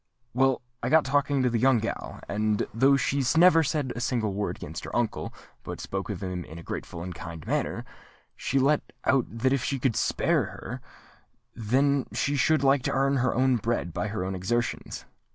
Well, I got talking to the young gal; and though she never said a single word against her uncle, but spoke of him in a grateful and kind manner, she let out that if he could spare her, she should like to earn her own bread by her own exertions.